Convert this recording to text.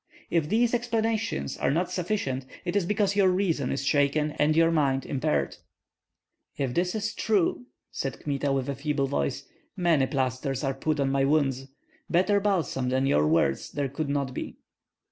If these explanations are not sufficient, it is because your reason is shaken and your mind impaired." "If that is true," said Kmita, with a feeble voice, "many plasters are put on my wounds; better balsam than your words there could not be."